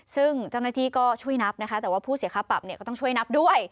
ซึ่งเจ้าหน้าที่ก็ช่วยนับนะคะแต่ว่าผู้เสียค่าปรับเนี่ยก็ต้องช่วยนับด้วย